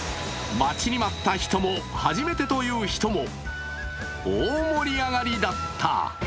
待ちに待った人も初めてという人も、大盛り上がりだった。